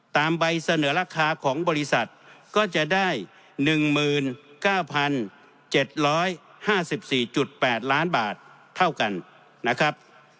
ตามใบเสนอราคาของบริษัทก็จะได้หนึ่งหมื่นเก้าพันเจ็ดร้อยห้าสิบสี่จุดแปดล้านบาทเท่ากันนะครับ